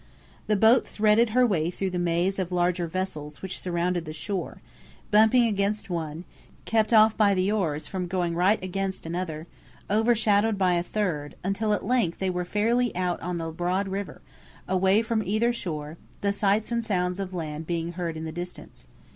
The boat threaded her way through the maze of larger vessels which surrounded the shore, bumping against one, kept off by the oars from going right against another, overshadowed by a third, until at length they were fairly out on the broad river, away from either shore; the sights and sounds of land being lost in the distance.